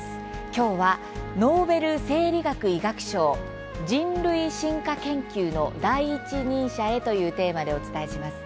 今日は「ノーベル生理学・医学賞人類進化研究の第一人者へ！」というテーマでお伝えします。